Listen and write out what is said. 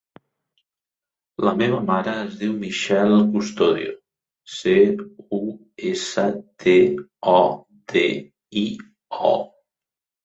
La meva mare es diu Michelle Custodio: ce, u, essa, te, o, de, i, o.